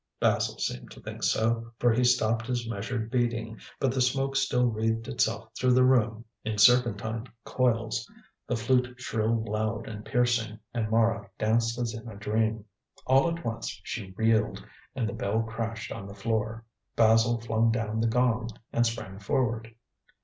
Basil seemed to think so, for he stopped his measured beating, but the smoke still wreathed itself through the room in serpentine coils, the flute shrilled loud and piercing, and Mara danced as in a dream. All at once she reeled and the bell crashed on the floor. Basil flung down the gong and sprang forward.